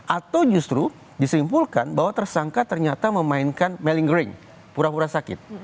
atau justru disimpulkan bahwa tersangka ternyata memainkan melingering pura pura sakit